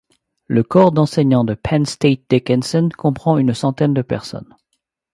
Le corps d’enseignants de Penn State Dickinson comprend une centaine de personnes.